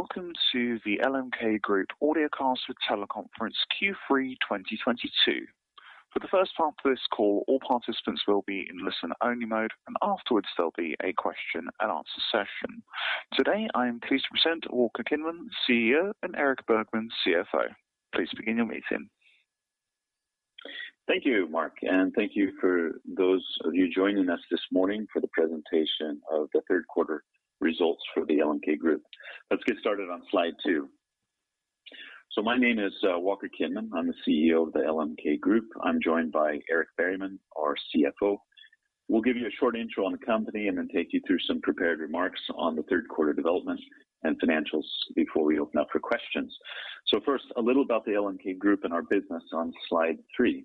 Welcome to the Cheffelo AB Audiocast with Teleconference Q3 2022. For the first part of this call, all participants wil be in listen-only mode, and afterwards there'll be a question and answer session. Today, I am pleased to present Walker Kinman, CEO, and Erik Bergman, CFO. Please begin your meeting. Thank you, Mark, and thank you for those of you joining us this morning for the presentation of the third quarter results for Cheffelo. Let's get started on slide two. My name is Walker Kinman. I'm the CEO of Cheffelo. I'm joined by Erik Bergman, our CFO. We'll give you a short intro on the company and then take you through some prepared remarks on the third quarter developments and financials before we open up for questions. First, a little about Cheffelo and our business on slide three.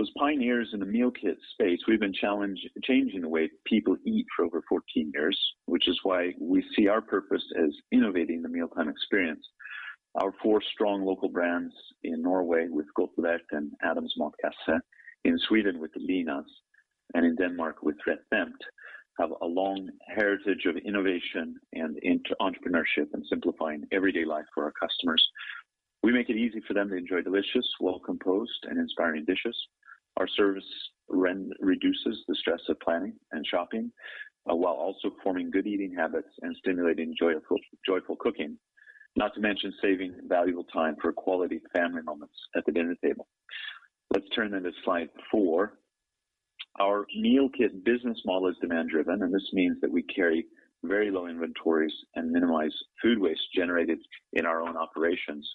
As pioneers in the meal kit space, we've been changing the way people eat for over 14 years, which is why we see our purpose as innovating the mealtime experience. Our four strong local brands in Norway with Godtlevert and Adams Matkasse, in Sweden with Linas, and in Denmark with RetNemt, have a long heritage of innovation and entrepreneurship and simplifying everyday life for our customers. We make it easy for them to enjoy delicious, well-composed, and inspiring dishes. Our service reduces the stress of planning and shopping, while also forming good eating habits and stimulating joyful cooking. Not to mention saving valuable time for quality family moments at the dinner table. Let's turn then to slide four. Our meal kit business model is demand-driven, and this means that we carry very low inventories and minimize food waste generated in our own operations.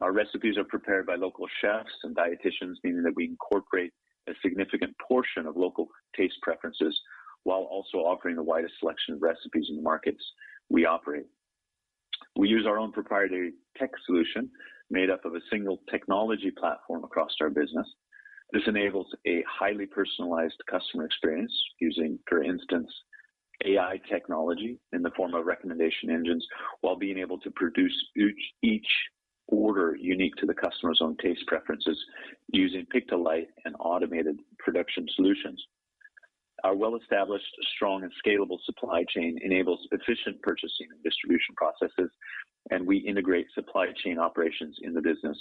Our recipes are prepared by local chefs and dietitians, meaning that we incorporate a significant portion of local taste preferences while also offering the widest selection of recipes in the markets we operate. We use our own proprietary tech solution made up of a single technology platform across our business. This enables a highly personalized customer experience using, for instance, AI technology in the form of recommendation engines, while being able to produce each order unique to the customer's own taste preferences using pick-to-light and automated production solutions. Our well-established, strong, and scalable supply chain enables efficient purchasing and distribution processes, and we integrate supply chain operations in the business.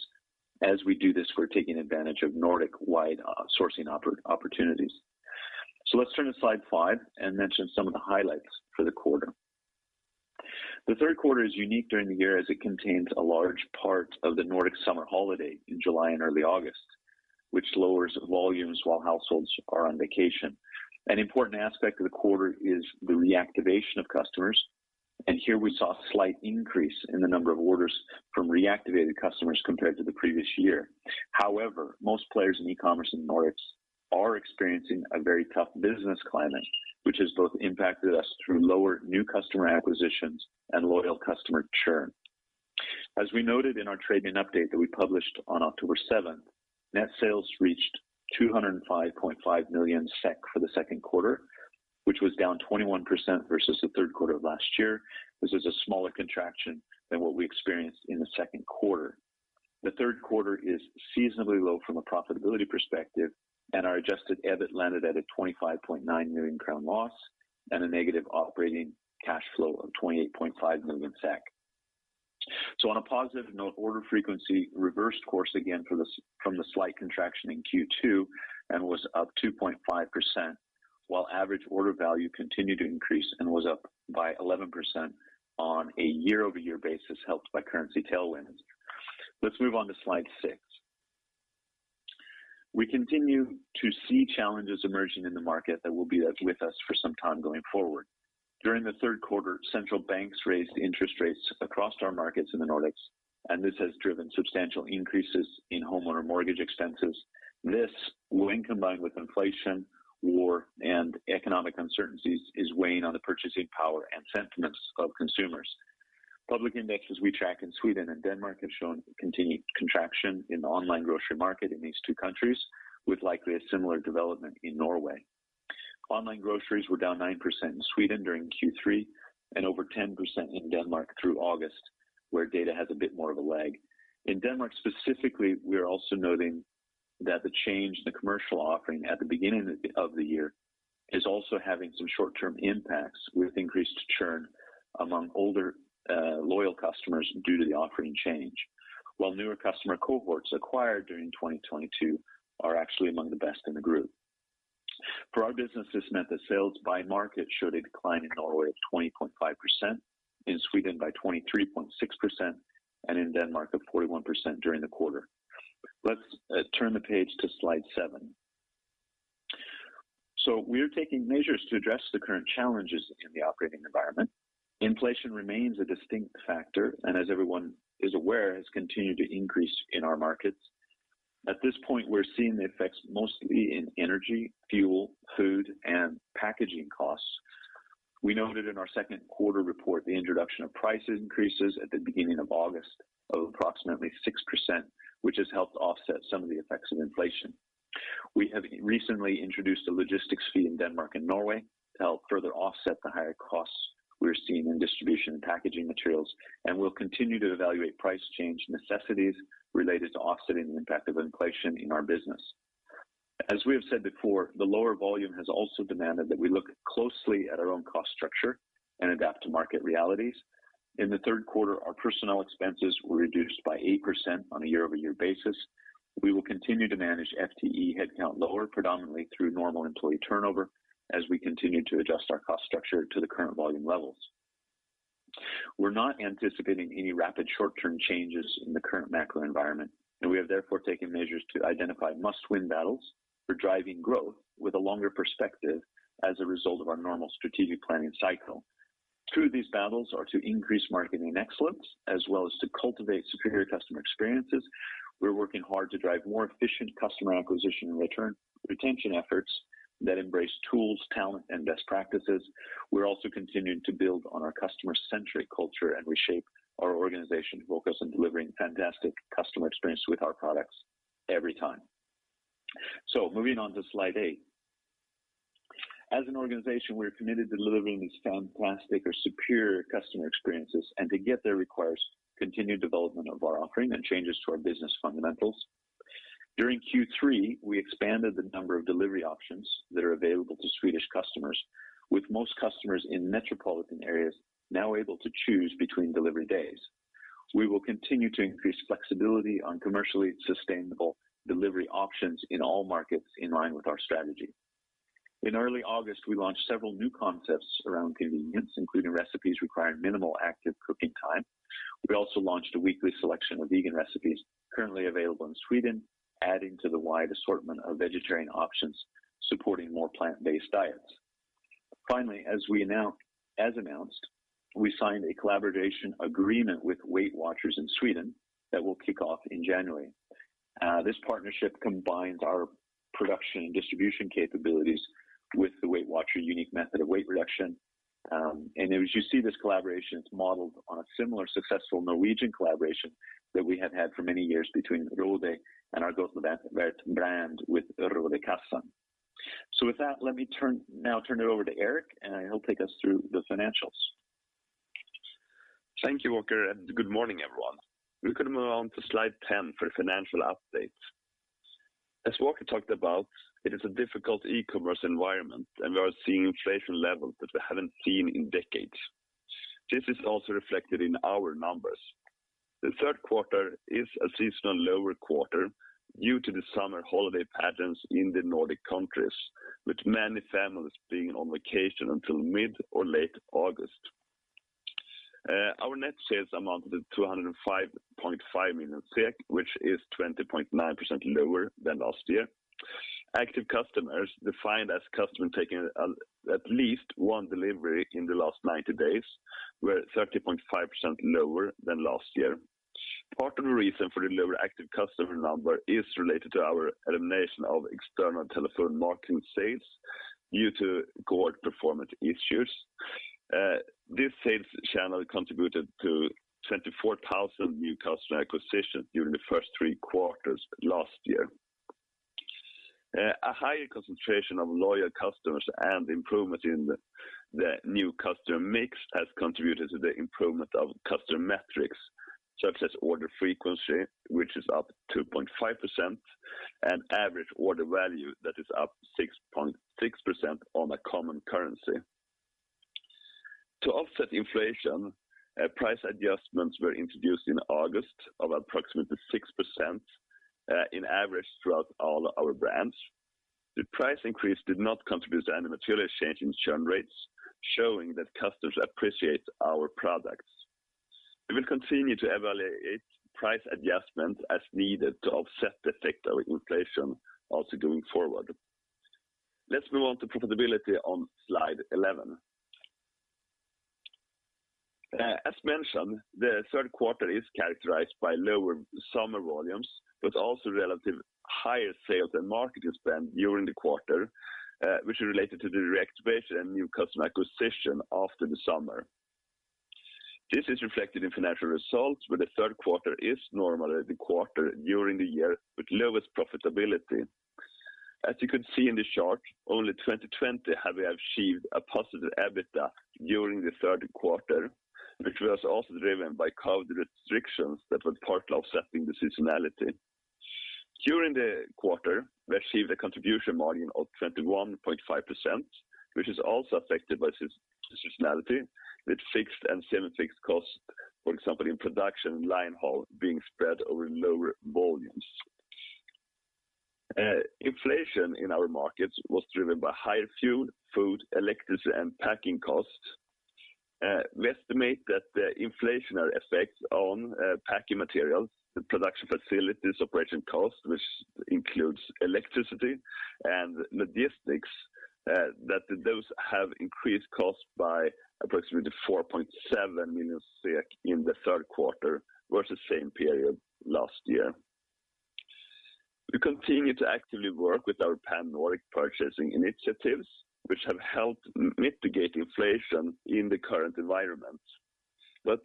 As we do this, we're taking advantage of Nordic-wide sourcing opportunities. Let's turn to slide 5 and mention some of the highlights for the quarter. The third quarter is unique during the year as it contains a large part of the Nordic summer holiday in July and early August, which lowers volumes while households are on vacation. An important aspect of the quarter is the reactivation of customers, and here we saw a slight increase in the number of orders from reactivated customers compared to the previous year. However, most players in e-commerce in the Nordics are experiencing a very tough business climate, which has both impacted us through lower new customer acquisitions and loyal customer churn. As we noted in our trading update that we published on October 7, net sales reached 205.5 million SEK for the second quarter, which was down 21% versus the third quarter of last year. This is a smaller contraction than what we experienced in the second quarter. The third quarter is seasonally low from a profitability perspective, and our Adjusted EBIT landed at a 25.9 million crown loss and a negative operating cash flow of 28.5 million SEK. On a positive note, order frequency reversed course again from the slight contraction in Q2 and was up 2.5%, while average order value continued to increase and was up by 11% on a year-over-year basis, helped by currency tailwinds. Let's move on to slide six. We continue to see challenges emerging in the market that will be with us for some time going forward. During the third quarter, central banks raised interest rates across our markets in the Nordics, and this has driven substantial increases in homeowner mortgage expenses. This, when combined with inflation, war, and economic uncertainties, is weighing on the purchasing power and sentiments of consumers. Public indexes we track in Sweden and Denmark have shown continued contraction in the online grocery market in these two countries, with likely a similar development in Norway. Online groceries were down 9% in Sweden during Q3 and over 10% in Denmark through August, where data has a bit more of a lag. In Denmark specifically, we are also noting that the change in the commercial offering at the beginning of the year is also having some short-term impacts with increased churn among older, loyal customers due to the offering change, while newer customer cohorts acquired during 2022 are actually among the best in the group. For our business, this meant that sales by market showed a decline in Norway of 20.5%, in Sweden by 23.6%, and in Denmark of 41% during the quarter. Let's turn the page to slide seven. We're taking measures to address the current challenges in the operating environment. Inflation remains a distinct factor and as everyone is aware, has continued to increase in our markets. At this point, we're seeing the effects mostly in energy, fuel, food, and packaging costs. We noted in our second quarter report the introduction of price increases at the beginning of August of approximately 6%, which has helped offset some of the effects of inflation. We have recently introduced a logistics fee in Denmark and Norway to help further offset the higher costs we're seeing in distribution and packaging materials, and we'll continue to evaluate price change necessities related to offsetting the impact of inflation in our business. As we have said before, the lower volume has also demanded that we look closely at our own cost structure and adapt to market realities. In the third quarter, our personnel expenses were reduced by 8% on a year-over-year basis. We will continue to manage FTE headcount lower predominantly through normal employee turnover as we continue to adjust our cost structure to the current volume levels. We're not anticipating any rapid short-term changes in the current macro environment, and we have therefore taken measures to identify must-win battles for driving growth with a longer perspective as a result of our normal strategic planning cycle. Two of these battles are to increase marketing excellence as well as to cultivate superior customer experiences. We're working hard to drive more efficient customer acquisition and return retention efforts that embrace tools, talent, and best practices. We're also continuing to build on our customer-centric culture and reshape our organization to focus on delivering fantastic customer experience with our products every time. Moving on to slide eight. As an organization, we're committed to delivering these fantastic or superior customer experiences, and to get there requires continued development of our offering and changes to our business fundamentals. During Q3, we expanded the number of delivery options that are available to Swedish customers, with most customers in metropolitan areas now able to choose between delivery days. We will continue to increase flexibility on commercially sustainable delivery options in all markets in line with our strategy. In early August, we launched several new concepts around convenience, including recipes requiring minimal active cooking time. We also launched a weekly selection of vegan recipes currently available in Sweden, adding to the wide assortment of vegetarian options supporting more plant-based diets. Finally, as announced, we signed a collaboration agreement with Weight Watchers in Sweden that will kick off in January. This partnership combines our production and distribution capabilities with the Weight Watchers unique method of weight reduction. As you see this collaboration, it's modeled on a similar successful Norwegian collaboration that we have had for many years between Roede and our Godtlevert brand with Roedekassen. With that, let me turn it over to Erik, and he'll take us through the financials. Thank you, Walker, and good morning, everyone. We're gonna move on to slide 10 for the financial update. As Walker talked about, it is a difficult e-commerce environment, and we are seeing inflation levels that we haven't seen in decades. This is also reflected in our numbers. The third quarter is a seasonal lower quarter due to the summer holiday patterns in the Nordic countries, with many families being on vacation until mid or late August. Our net sales amounted to 205.5 million SEK, which is 20.9% lower than last year. Active customers defined as customers taking at least one delivery in the last 90 days were 30.5% lower than last year. Part of the reason for the lower active customer number is related to our elimination of external telephone marketing sales due to poor performance issues. This sales channel contributed to 24,000 new customer acquisitions during the first three quarters last year. A higher concentration of loyal customers and improvement in the new customer mix has contributed to the improvement of customer metrics such as order frequency, which is up 2.5%, and average order value that is up 6.6% on a common currency. To offset inflation, price adjustments were introduced in August of approximately 6%, on average throughout all our brands. The price increase did not contribute any material change in churn rates, showing that customers appreciate our products. We will continue to evaluate price adjustments as needed to offset the effect of inflation also going forward. Let's move on to profitability on slide eleven. As mentioned, the third quarter is characterized by lower summer volumes, but also relative higher sales and marketing spend during the quarter, which is related to the reactivation and new customer acquisition after the summer. This is reflected in financial results, where the third quarter is normally the quarter during the year with lowest profitability. As you can see in the chart, only 2020 have we achieved a +EBITDA during the third quarter, which was also driven by COVID restrictions that were partly offsetting the seasonality. During the quarter, we achieved a contribution margin of 21.5%, which is also affected by seasonality, with fixed and semi-fixed costs, for example, in production and line haul being spread over lower volumes. Inflation in our markets was driven by higher fuel, food, electricity, and packing costs. We estimate that the inflationary effects on packing materials, the production facilities, operation costs, which includes electricity and logistics, that those have increased costs by approximately 4.7 million in the third quarter versus same period last year. We continue to actively work with our pan-Nordic purchasing initiatives, which have helped mitigate inflation in the current environment, but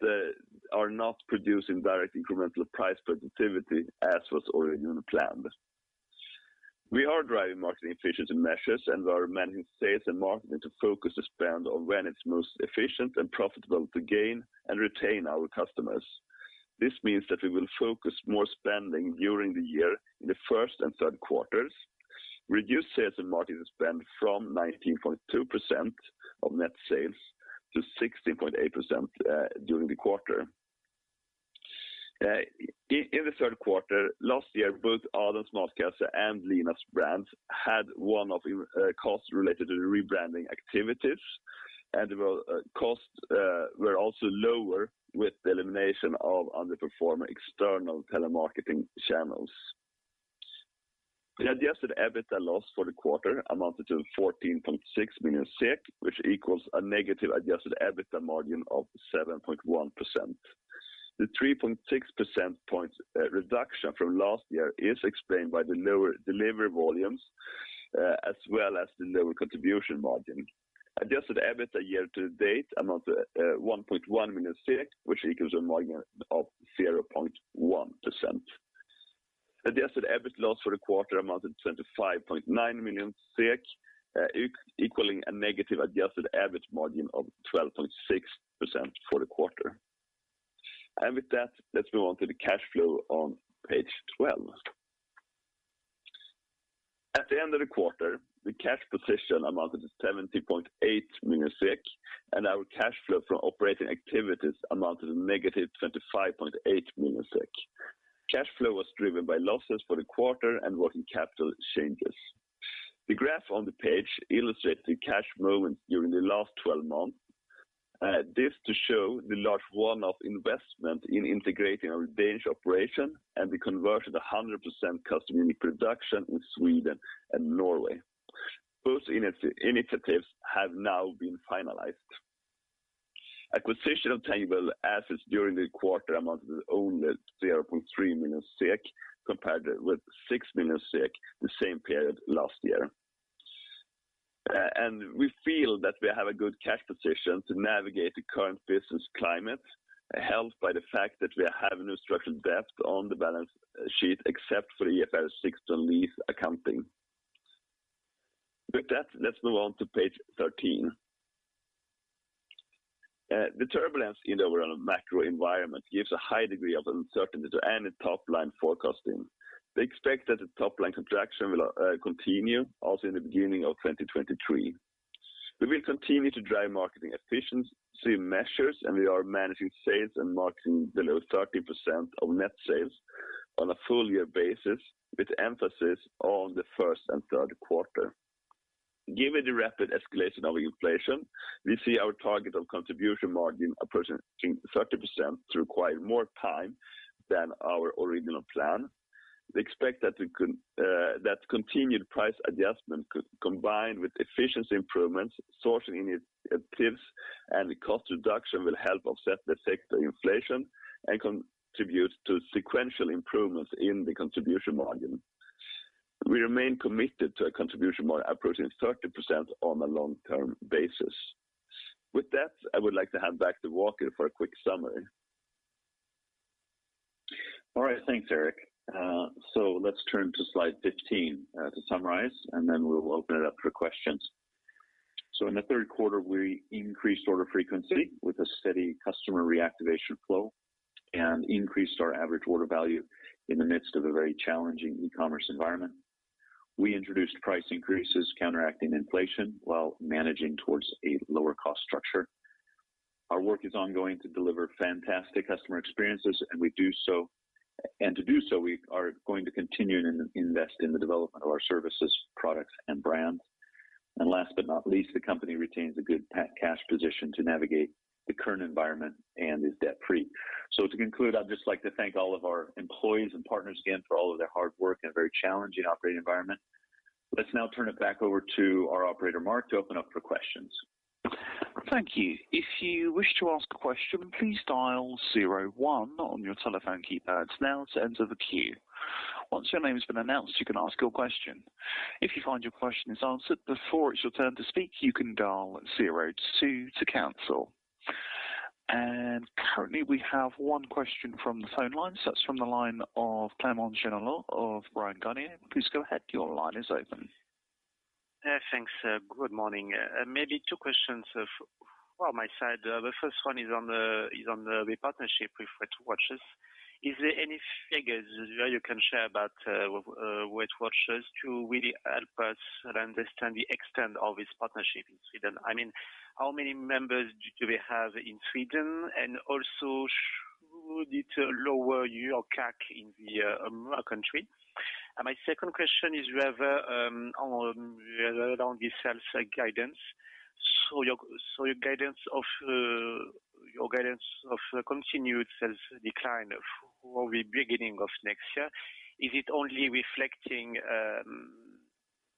are not producing direct incremental price productivity as was originally planned. We are driving marketing efficiency measures and we are managing sales and marketing to focus the spend on when it's most efficient and profitable to gain and retain our customers. This means that we will focus more spending during the year in the first and third quarters, reduce sales and marketing spend from 19.2% of net sales to 16.8% during the quarter. In the third quarter last year, both Adams Matkasse and Linas Matkasse brands had one-off costs related to the rebranding activities, and costs were also lower with the elimination of underperforming external telemarketing channels. The Adjusted EBITDA loss for the quarter amounted to 14.6 million SEK, which equals a -Adjusted EBITDA margin of 7.1%. The 3.6 percentage point reduction from last year is explained by the lower delivery volumes as well as the lower contribution margin. Adjusted EBITDA year to date amount to 1.1 million, which equals a margin of 0.1%. Adjusted EBIT loss for the quarter amounted to 25.9 million SEK, equaling a -Adjusted EBIT margin of 12.6% for the quarter. With that, let's move on to the cash flow on page 12. At the end of the quarter, the cash position amounted to 70.8 million SEK, and our cash flow from operating activities amounted to -25.8 million SEK. Cash flow was driven by losses for the quarter and working capital changes. The graph on the page illustrates the cash movement during the last 12 months. This to show the large one-off investment in integrating our Danish operation and the conversion to 100% customer unique production in Sweden and Norway. Both initiatives have now been finalized. Acquisition of tangible assets during the quarter amounted to only 0.3 million SEK, compared with 6 million SEK the same period last year. We feel that we have a good cash position to navigate the current business climate, helped by the fact that we have no structured debt on the balance sheet except for the IFRS 16 lease accounting. With that, let's move on to page 13. The turbulence in our macro environment gives a high degree of uncertainty and top-line forecasting. We expect that the top-line contraction will continue also in the beginning of 2023. We will continue to drive marketing efficiency measures, and we are managing sales and marketing below 30% of net sales on a full year basis, with emphasis on the first and third quarter. Given the rapid escalation of inflation, we see our target of contribution margin approaching 30% to require more time than our original plan. We expect that continued price adjustment combined with efficiency improvements, sourcing initiatives, and cost reduction will help offset the effect of inflation and contribute to sequential improvements in the contribution margin. We remain committed to a contribution margin approaching 30% on a long-term basis. With that, I would like to hand back to Walker for a quick summary. All right. Thanks, Erik. So let's turn to slide 15 to summarize, and then we will open it up for questions. In the third quarter, we increased order frequency with a steady customer reactivation flow and increased our average order value in the midst of a very challenging e-commerce environment. We introduced price increases counteracting inflation while managing towards a lower cost structure. Our work is ongoing to deliver fantastic customer experiences, and we do so. To do so, we are going to continue and invest in the development of our services, products and brands. Last but not least, the company retains a good net-cash position to navigate the current environment and is debt-free. To conclude, I'd just like to thank all of our employees and partners again for all of their hard work in a very challenging operating environment. Let's now turn it back over to our operator, Mark, to open up for questions. Thank you. If you wish to ask a question, please dial zero one on your telephone keypads now to enter the queue. Once your name has been announced, you can ask your question. If you find your question is answered before it's your turn to speak, you can dial zero two to cancel. Currently, we have one question from the phone lines. That's from the line of Clément Genelot of Bryan, Garnier & Co. Please go ahead. Your line is open. Yeah, thanks. Good morning. Maybe two questions of, well, my side. The first one is on the partnership with Weight Watchers. Is there any figures that you can share about Weight Watchers to really help us understand the extent of this partnership in Sweden? I mean, how many members do they have in Sweden? Also should it lower your CAC in the country? My second question is on the sales guidance. Your guidance of continued sales decline at the beginning of next year, is it only reflecting,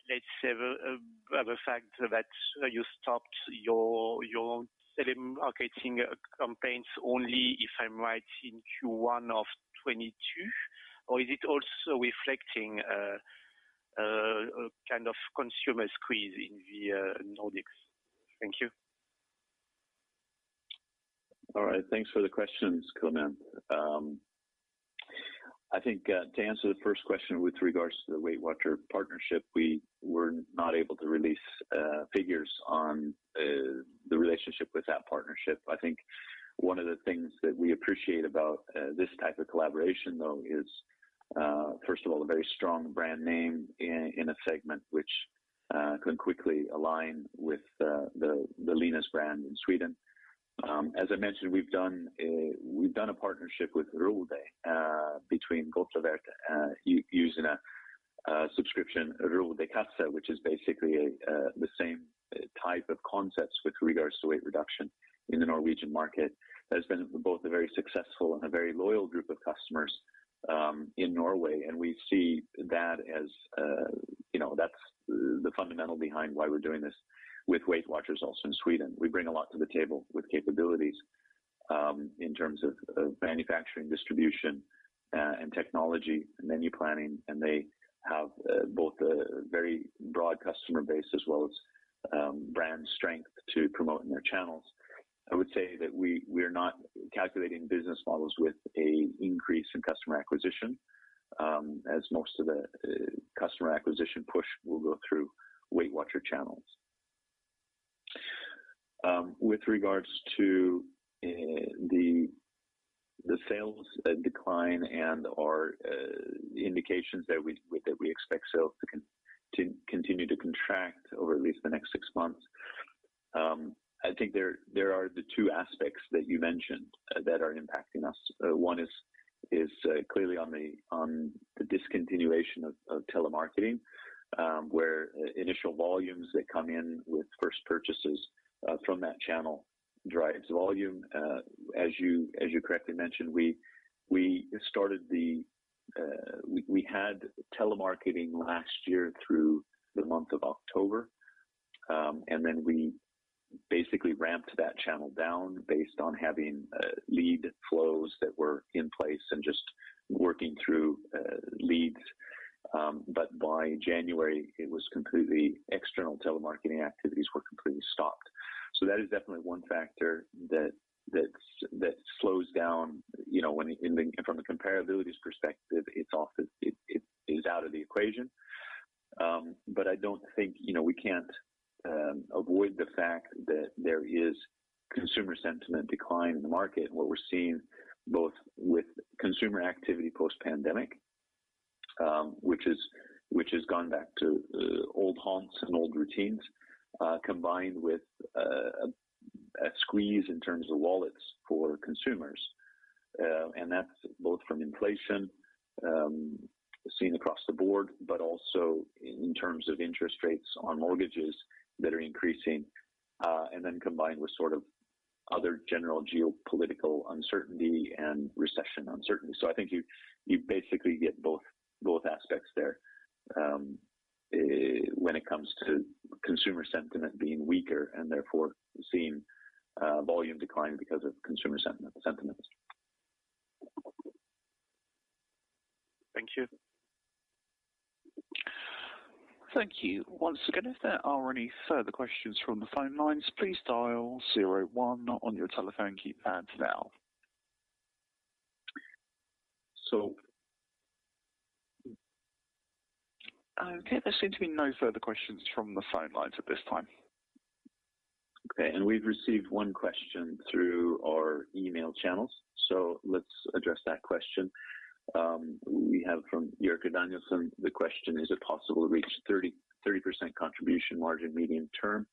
let's say the fact that you stopped your telemarketing campaigns only if I'm right in Q1 of 2022? Is it also reflecting kind of consumer squeeze in the Nordics? Thank you. All right. Thanks for the questions, Clément. I think to answer the first question with regards to the Weight Watchers partnership, we were not able to release figures on the relationship with that partnership. I think one of the things that we appreciate about this type of collaboration, though, is first of all, a very strong brand name in a segment which can quickly align with the Linas brand in Sweden. As I mentioned, we've done a partnership with Roede between Godtlevert using a subscription, Roedekassen, which is basically the same type of concepts with regards to weight reduction in the Norwegian market. It has been both a very successful and a very loyal group of customers in Norway, and we see that as you know that's the fundamental behind why we're doing this with Weight Watchers also in Sweden. We bring a lot to the table with capabilities in terms of manufacturing, distribution, and technology and menu planning. They have both a very broad customer base as well as brand strength to promote in their channels. I would say that we're not calculating business models with an increase in customer acquisition as most of the customer acquisition push will go through Weight Watchers channels. With regards to the sales decline and/or the indications that we expect sales to continue to contract over at least the next six months, I think there are the two aspects that you mentioned that are impacting us. One is clearly on the discontinuation of telemarketing, where initial volumes that come in with first purchases from that channel drives volume. As you correctly mentioned, we had telemarketing last year through the month of October. Then we basically ramped that channel down based on having lead flows that were in place and just working through leads. By January, it was completely external telemarketing activities were completely stopped. That is definitely one factor that slows down, you know, when From the comparability's perspective, it is out of the equation. I don't think, you know, we can't avoid the fact that there is consumer sentiment decline in the market and what we're seeing both with consumer activity post-pandemic, which has gone back to old haunts and old routines, combined with a squeeze in terms of wallets for consumers. That's both from inflation seen across the board, but also in terms of interest rates on mortgages that are increasing, and then combined with sort of other general geopolitical uncertainty and recession uncertainty. I think you basically get both aspects there when it comes to consumer sentiment being weaker and therefore seeing volume decline because of consumer sentiment. Thank you. Thank you. Once again, if there are any further questions from the phone lines, please dial zero one on your telephone keypads now. So- Okay, there seem to be no further questions from the phone lines at this time. Okay. We've received one question through our email channels, so let's address that question. We have from Jerker Danielson the question: Is it possible to reach 30% contribution margin medium term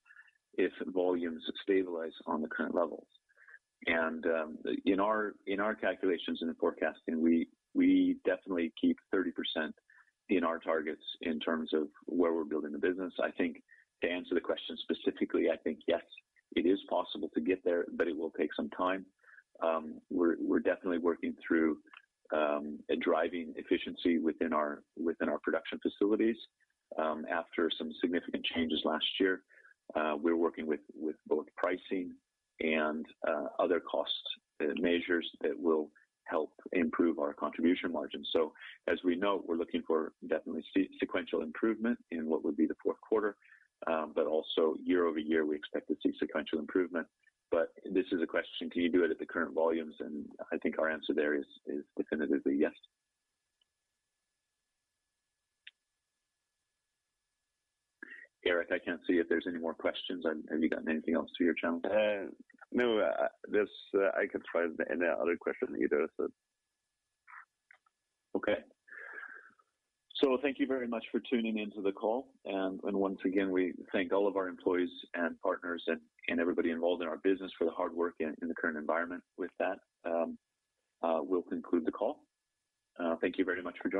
if volumes stabilize on the current levels? In our calculations and forecasting, we definitely keep 30% in our targets in terms of where we're building the business. I think to answer the question specifically, I think yes, it is possible to get there, but it will take some time. We're definitely working through driving efficiency within our production facilities. After some significant changes last year, we're working with both pricing and other cost measures that will help improve our contribution margins. As we note, we're looking for definitely sequential improvement in what would be the fourth quarter. Also year-over-year, we expect to see sequential improvement. This is a question, can you do it at the current volumes? I think our answer there is definitively yes. Erik, I can't see if there's any more questions. Have you gotten anything else through your channel? I can't find any other questions either. Okay. Thank you very much for tuning in to the call. Once again, we thank all of our employees and partners and everybody involved in our business for the hard work in the current environment. With that, we'll conclude the call. Thank you very much for your time.